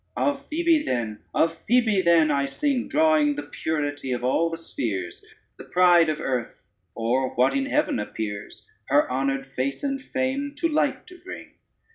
Of Phoebe then, of Phoebe then I sing, Drawing the purity of all the spheres, The pride of earth, or what in heaven appears, Her honored face and fame to light to bring.